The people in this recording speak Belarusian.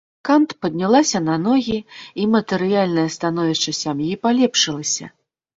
Кант паднялася на ногі, і матэрыяльнае становішча сям'і палепшылася.